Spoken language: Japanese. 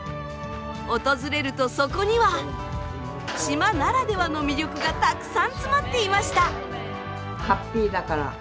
訪れるとそこには島ならではの魅力がたくさん詰まっていました。